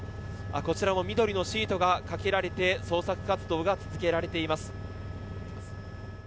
こちらも緑のシートがかけられて捜索活動が続けられています。